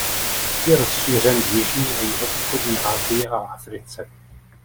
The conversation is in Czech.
Je rozšířen v jižní a jihovýchodní Asii a Africe.